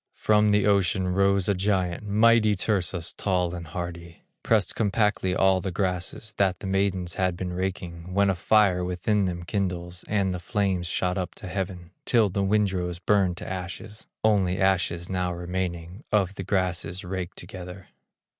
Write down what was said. From the ocean rose a giant, Mighty Tursas, tall and hardy, Pressed compactly all the grasses, That the maidens had been raking, When a fire within them kindles, And the flames shot up to heaven, Till the windrows burned to ashes, Only ashes now remaining Of the grasses raked together.